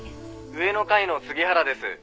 「上の階の杉原です」